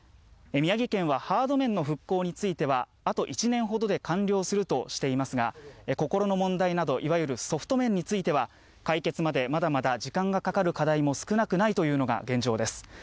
宮城県はハード面の復興についてはあと１年ほどで完了するとしていますが心の問題などいわゆるソフト面については解決まで、まだまだ時間がかかる課題も少なくないというのが現状です。